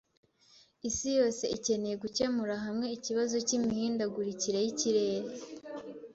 Isi yose ikeneye gukemura hamwe ikibazo cy’imihindagurikire y’ikirere.